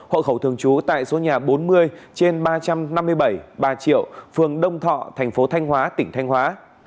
hộ khẩu thường trú tại số nhà bốn mươi trên ba trăm năm mươi bảy bà triệu phường đông thọ thành phố thanh hóa tỉnh thanh hóa